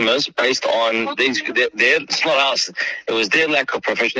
menggunakan aplikasi layanan pengiriman